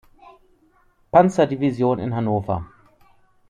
Panzerdivision in Hannover.